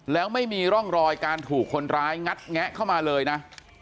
แล้วไม่มีร่องรอยการถูกคนร้ายงัดแงะเข้ามาเลยนะ